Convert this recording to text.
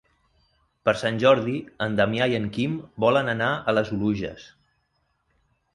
Per Sant Jordi en Damià i en Quim volen anar a les Oluges.